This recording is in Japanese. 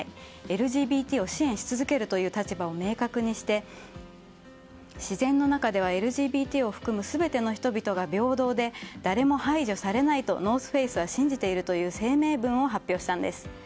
ＬＧＢＴを支援し続けるという立場を明確にして自然の中ではＬＧＢＴを含む全ての人々が平等で誰も排除されないとノース・フェイスは信じていると声明文を発表したんです。